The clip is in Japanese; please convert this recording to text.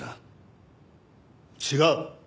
違う！